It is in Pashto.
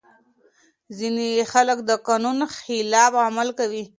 ځينې خلګ د قانون خلاف عمل کوي.